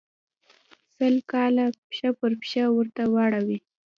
سل کاله پښه پر پښه ورته واړوي.